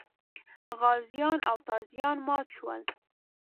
غازیان او تازیان مات شول.